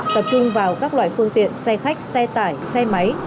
tập trung vào các loại phương tiện xe khách xe tải xe máy